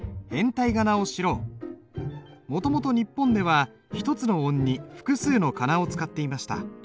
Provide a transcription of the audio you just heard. もともと日本では一つの音に複数の仮名を使っていました。